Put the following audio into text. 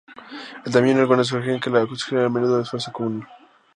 El tamaño de algunos sugieren que la construcción era a menudo un esfuerzo comunal.